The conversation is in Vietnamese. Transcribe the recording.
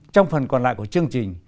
trong phần còn lại của chương trình